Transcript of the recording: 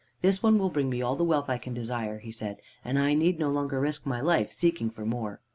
"'This one will bring me all the wealth I can desire,' he said, 'and I need no longer risk my life seeking for more.'